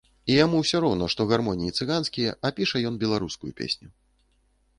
І яму ўсё роўна, што гармоніі цыганскія, а піша ён беларускую песню.